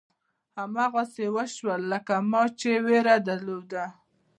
هماغسې وشول لکه ما چې وېره درلوده.